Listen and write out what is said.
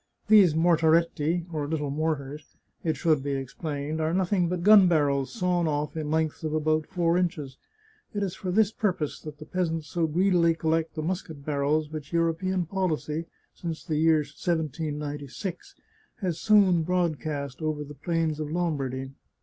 These ntortaretti (or little mortars), it should be ex plained, are nothing but g^n barrels sawn off in lengths of about four inches. It is for this purpose that the peas ants so greedily collect the musket barrels which Euro pean policy, since the year 1796, has sown broadcast over the plains of Lombardy.